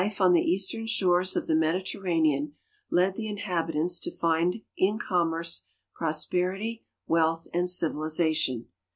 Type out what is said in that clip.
31 Lifeon the eas^torii shores of the Mediterranean led the inhahitaiits to find in eoninierce prosperity, wealtii, and civilization.